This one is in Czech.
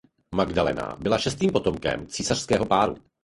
Magdalena byla šestým potomkem císařského páru.